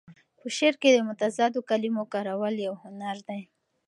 په شعر کې د متضادو کلمو کارول یو هنر دی.